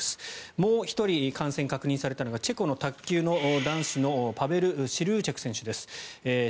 もう１人感染確認されたのがチェコの卓球の男子のパベル・シルーチェク選手です。